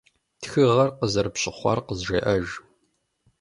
Тхыгъэр къазэрыпщыхъуар къызжеӏэж.